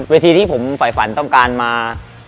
ที่ผมฝ่ายฝันต้องการมา